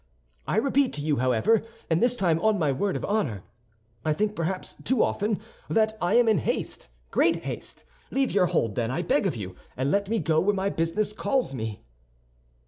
I repeat to you, however, and this time on my word of honor—I think perhaps too often—that I am in haste, great haste. Leave your hold, then, I beg of you, and let me go where my business calls me."